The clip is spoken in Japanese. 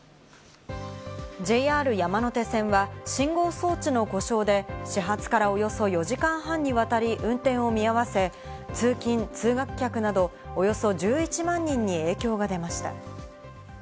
ＪＲ山手線は、信号装置の故障で始発からおよそ４時間半にわたり運転を見合わせ、通勤、通学客などおよそ１１万人に影響が出ました。